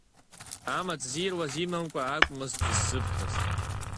Амаҵ зируаз имамкәа акәмызт дызсыԥхьаз.